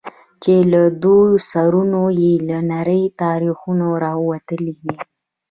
چې له دوو سرونو يې نري تارونه راوتلي دي.